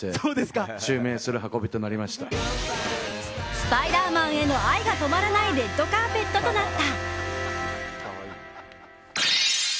スパイダーマンへの愛が止まらないレッドカーペットとなった。